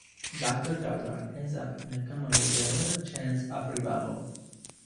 Doctor Carter ends up in a coma with little chance of revival.